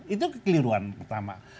itu kekeliruan pertama